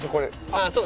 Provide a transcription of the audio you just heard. ああそう。